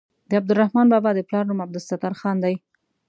د عبدالرحمان بابا د پلار نوم عبدالستار خان دی.